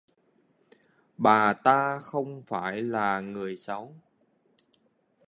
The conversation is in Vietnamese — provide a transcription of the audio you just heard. Bà ta không phải là người xấu